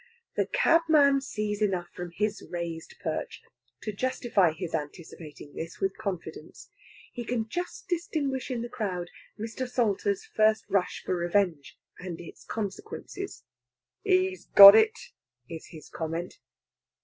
The cabman sees enough from his raised perch to justify his anticipating this with confidence. He can just distinguish in the crowd Mr. Salter's first rush for revenge and its consequences. "He's got it!" is his comment.